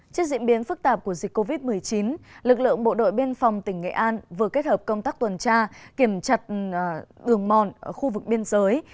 trước diễn biến phức tạp của dịch covid một mươi chín lực lượng bộ đội biên phòng tỉnh nghệ an vừa kết hợp công tác tuần tra kiểm trật đường mòn ở khu vực biên giới